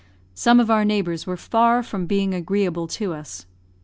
Some of our neighbours were far from being agreeable to us.